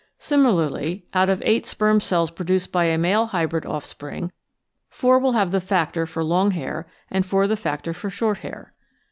Simi larly, out of eight sperm cells produced by a male hybrid off spring, four will have the factor for long hair and four the factor for short hair.